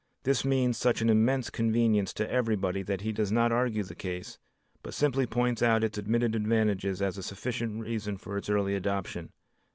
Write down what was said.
This means such an immense convenience to everybody that he does not argue the case, but simply points out its admitted advantages as a sufficient reason for its early adoption.